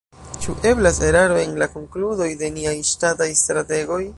Ĉu eblas eraro en la konkludoj de niaj ŝtataj strategoj?